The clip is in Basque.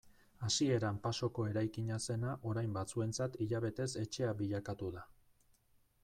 Hasieran pasoko eraikina zena orain batzuentzat hilabetez etxea bilakatu da.